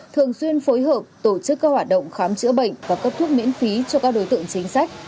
thường xuyên phối hợp tổ chức các hoạt động khám chữa bệnh và cấp thuốc miễn phí cho các đối tượng chính sách